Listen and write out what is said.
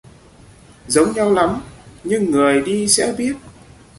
Giống nhau lắm nhưng người đi sẽ biết